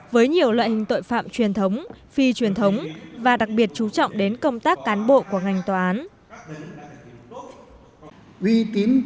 với nhiều loại hình tội phạm truyền thống phi truyền thống và đặc biệt chú trọng đến công tác cán bộ của ngành tòa án